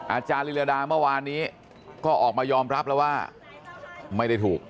อาจารย์ลีลาดาเมื่อวานนี้ก็ออกมายอมรับแล้วว่าไม่ได้ถูก